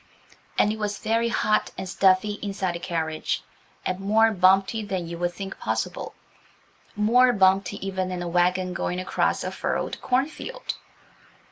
And it was very hot and stuffy inside the carriage, and more bumpety than you would think possible–more bumpety even than a wagon going across a furrowed corn field.